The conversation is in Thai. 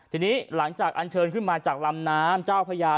ทีนี้หลังจากอันเชิญขึ้นมาจากลำน้ำเจ้าพญา